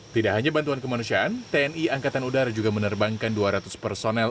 tidak hanya bantuan kemanusiaan tni angkatan udara juga menerbangkan dua ratus personel